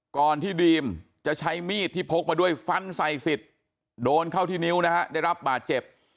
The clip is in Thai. ก่อนที่ดีมจะใช้มีดที่พกมาด้วยฟันใส่สิทธิ์โดนเข้าที่นิ้วนะฮะได้รับบาดเจ็บ